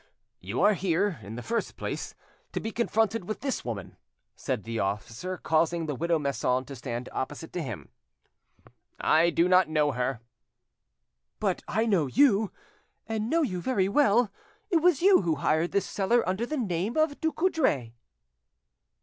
"You are here, in the first place, to be confronted with this woman," said the officer, causing the widow Masson to stand opposite to him. "I do not know her." "But I know you, and know you well. It was you who hired this cellar under the name of Ducoudray."